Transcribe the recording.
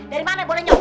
dari mana boleh nyopet